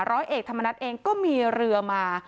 ร้อยเอกธรรมนัฐเองก็มีเรือมา